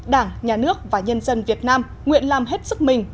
đảng nhà nước và nhân dân việt nam nguyện làm hết sức mình